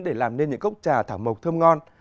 để làm nên những cốc trà thảo mộc thơm ngon